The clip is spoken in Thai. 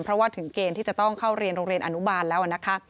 เพราะว่าถึงเกณฑ์ที่จะต้องเข้าเรียนโรงเรียนอนุบาลแล้วนะคะ